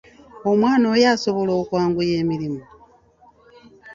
Omwana oyo asobola okwanguya emirimu?